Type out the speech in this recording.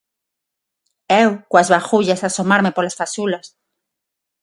eu, coas bagullas a asomarme polas fazulas;